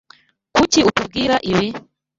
Kuki utubwira ibi?